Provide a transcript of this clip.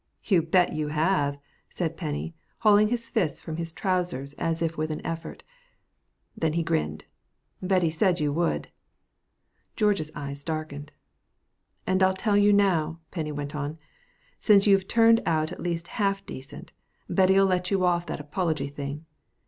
"You bet you have," said Penny, hauling his fists from his trousers as if with an effort. Then he grinned. "Betty said you would." George's eyes darkened. "And I'll tell you now," Penny went on, "since you've turned out at least half decent, Betty'll let you off that apology thing.